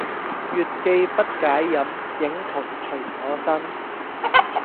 月既不解飲，影徒隨我身